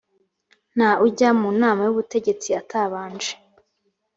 nta ujya mu nama y ubutegetsi atabanje